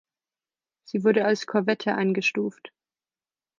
Sie wurde als Korvette eingestuft.